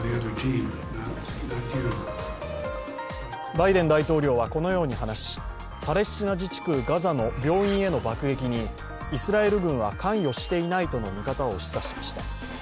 バイデン大統領はこのように話し、パレスチナ自治区ガザの病院への爆撃にイスラエル軍は関与していないとの見方を示唆しました。